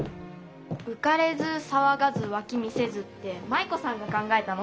「うかれずさわがずわき見せず」って舞子さんが考えたの？